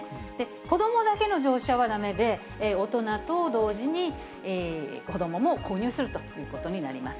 子どもだけの乗車はだめで、大人と同時に子どもも購入するということになります。